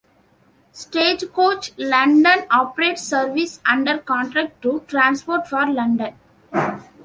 Stagecoach London operates services under contract to Transport for London.